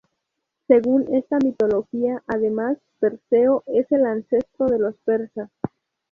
Según esta mitología, además, Perseo es el ancestro de los persas.